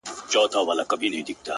که راتلې زه در څخه هېر نه سمه”